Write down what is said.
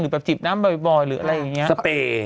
แบบจิบน้ำบ่อยหรืออะไรอย่างนี้สเปย์